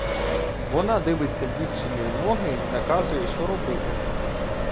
Вона дивиться дівчині в ноги й наказує, що робити.